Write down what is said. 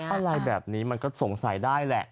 อะไรแบบนี้มันก็สงสัยได้แหละ